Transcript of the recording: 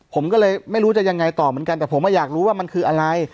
ผมก็เลยไม่รู้จะยังไงต่อเหมือนกันแต่ผมอยากรู้ว่ามันคืออะไร